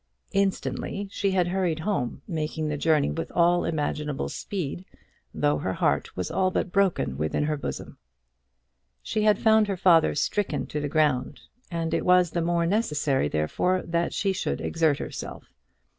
Instantly she had hurried home, making the journey with all imaginable speed though her heart was all but broken within her bosom. She had found her father stricken to the ground, and it was the more necessary, therefore, that she should exert herself.